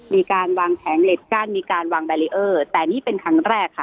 มีการวางแผงเหล็กกั้นมีการวางแบรีเออร์แต่นี่เป็นครั้งแรกค่ะ